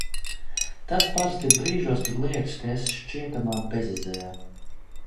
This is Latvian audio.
Tas parasti ir brīžos, kad liekas, ka esi šķietamā bezizejā.